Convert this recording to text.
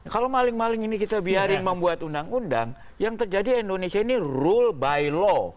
kalau maling maling ini kita biarin membuat undang undang yang terjadi indonesia ini rule by law